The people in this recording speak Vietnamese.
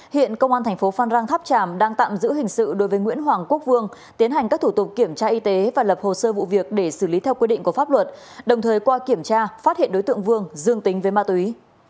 hiện công an thành phố phan rang tháp tràm đang tạm giữ hình sự đối với nguyễn hoàng quốc vương tiến hành các thủ tục kiểm tra y tế và lập hồ sơ vụ việc để xử lý theo quy định của pháp luật đồng thời qua kiểm tra phát hiện đối tượng vương dương tính với ma túy